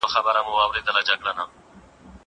زه پرون کتابونه ليکم!؟